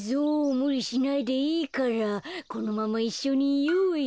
むりしないでいいからこのままいっしょにいようよ。